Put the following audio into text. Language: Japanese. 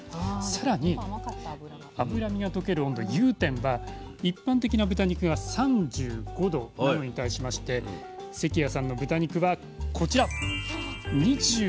さらに脂身が溶ける温度融点は一般的な豚肉が３５℃なのに対しまして関谷さんの豚肉はこちら２８℃でした。